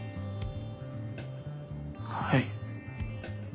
はい。